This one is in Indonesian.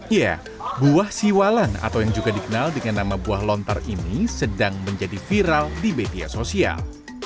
ya buah siwalan atau yang juga dikenal dengan nama buah lontar ini sedang menjadi viral di media sosial